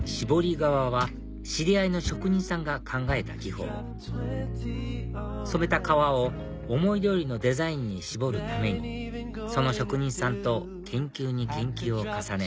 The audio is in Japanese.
革は知り合いの職人さんが考えた技法染めた革を思い通りのデザインに絞るためにその職人さんと研究に研究を重ね